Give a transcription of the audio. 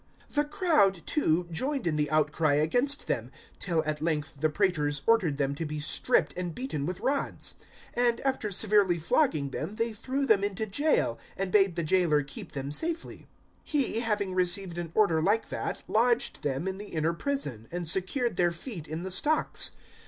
016:022 The crowd, too, joined in the outcry against them, till at length the praetors ordered them to be stripped and beaten with rods; 016:023 and, after severely flogging them, they threw them into jail and bade the jailer keep them safely. 016:024 He, having received an order like that, lodged them in the inner prison, and secured their feet in the stocks.